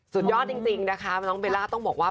สุดยอดจริงนะคะน้องเบลล่าต้องบอกว่า